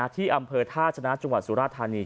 ที่อำเภอท่าชนะจังหวัดสุราธานี